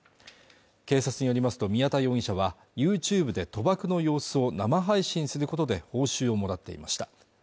警察によりますと宮田容疑者はＹｏｕＴｕｂｅで賭博の様子を生配信することで報酬をもらっていました